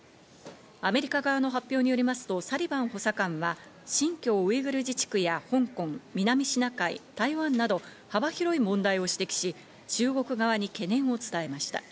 アメリカ側の発表によりますとサリバン補佐官は新疆ウイグル自治区や香港、南シナ海、台湾など幅広い問題を指摘し、中国側に懸念を伝えました。